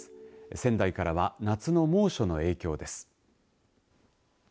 仙台からは夏の猛暑の影響です。